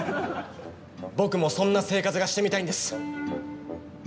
僕もそんな生活がしてみたいんです！